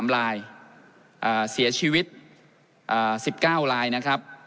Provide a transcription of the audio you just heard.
๓ลายเสียชีวิต๑๙ลายนะครับ